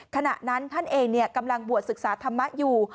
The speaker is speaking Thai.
ขณะนั้นท่านเองกำลังบวชศึกษาธรรมะอยู่